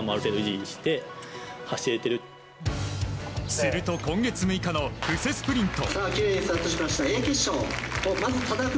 すると今月６日の布勢スプリント。